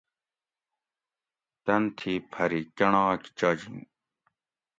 تن تھی پھری کنڑاک چاجِن